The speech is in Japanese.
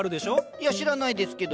いや知らないですけど。